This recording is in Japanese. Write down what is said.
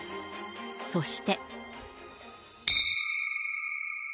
そして。